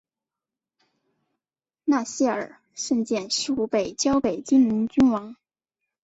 纳希尔圣剑似乎被交给精灵君王。